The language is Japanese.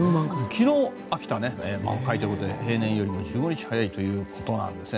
昨日、秋田、満開ということで平年よりも１５日早いということなんですね。